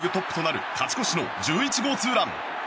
今日２本目の一発はセ・リーグトップとなる勝ち越しの１１号ツーラン。